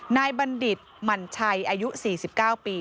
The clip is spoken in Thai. นายบัณฑิตมันชัยอายุ๔๙ปี